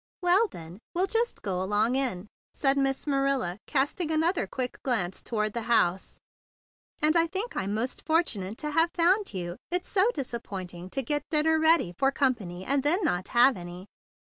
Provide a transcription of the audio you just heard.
"Well, then, we'll just go along in," said Miss Marilla, casting another quick glance toward the house. "And I think I'm most fortunate to have found you. It's so disappointing to 24 THE BIG BLUE SOLDIER get dinner ready for company and then not have any."